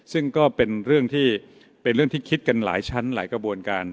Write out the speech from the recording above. ซึ่งก็เป็นเรื่องที่คิดกันหลายชั้นหลายกระบวนการ